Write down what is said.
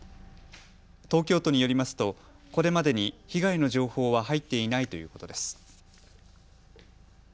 東京都によりますとこれまでに被害の情報は入っていないということです。